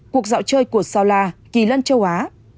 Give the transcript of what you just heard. cuộc dạo chơi của sao la kỳ lân châu á